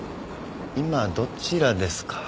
今どちらですか？